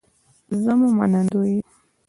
زه مو منندوی یم